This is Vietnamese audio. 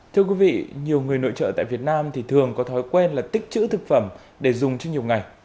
thưa quý vị nhiều người nội trợ tại việt nam thì thường có thói quen là tích chữ thực phẩm để dùng cho nhiều ngày